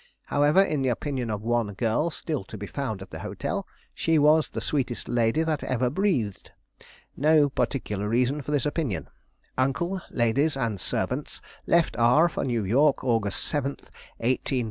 However, in the opinion of one girl still to be found at the hotel, she was the sweetest lady that ever breathed. No particular reason for this opinion. Uncle, ladies, and servants left R for New York, August 7, 1875. "2.